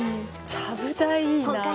ちゃぶ台いいな。